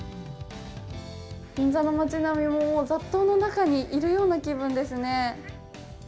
銀座の町並みも、雑踏のなかにいるような気分ですね。